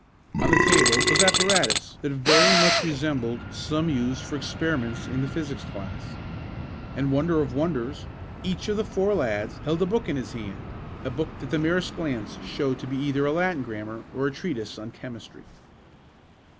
On the table was apparatus that very much resembled some used for experiments in the physics class. And, wonder of wonders, each of the four lads held a book in his hand a book that the merest glance showed to be either a Latin grammar or a treatise on chemistry.